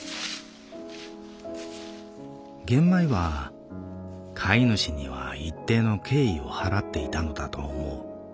「ゲンマイは飼い主には一定の敬意を払っていたのだと思う」。